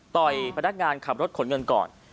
พนักงานขับรถขนเงินก่อน